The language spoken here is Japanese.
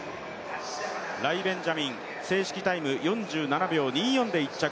ライ・ベンジャミン、正式タイム４７秒２４で１着。